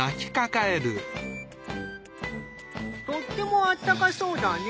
とってもあったかそうだね。